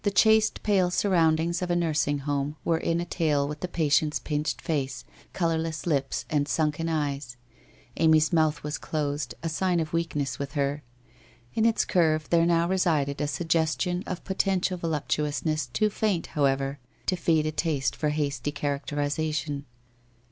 The chaste pale surroundings of a Nursing Home were in a tale with the patient's pinched face, colourless lips and sunken eyes. Amy's mouth was closed, a sign of weak ness with her. In its curve there now resided a suggestion of potential voluptuousness too faint, however, to feed a taste for hasty characterization.